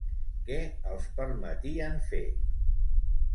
Què els permetien fer?